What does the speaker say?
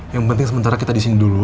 yang penting sementara kita di sini dulu